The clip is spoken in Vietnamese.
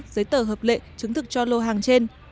giấy tờ hợp lệ chứng thực cho lô hàng trên